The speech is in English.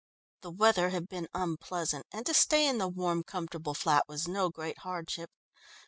The weather had been unpleasant, and to stay in the warm, comfortable flat was no great hardship.